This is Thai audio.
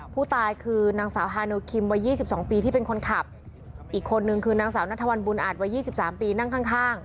ผู้ตายคือนางสาวฮานูคิมวัยยี่สิบสองปีที่เป็นคนขับอีกคนนึงคือนางสาวนัทธวัลบูนอาจวัยยี่สิบสามปีนั่งข้างข้าง